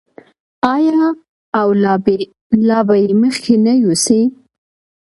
آیا او لا به یې مخکې نه یوسي؟